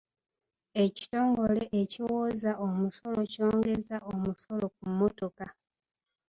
Ekitongole ekiwooza omusolo kyongezza omusolo ku mmotoka.